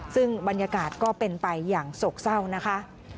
ซึ่งบรรยากาศก็เป็นไปอย่างโศกเศร้านะคะ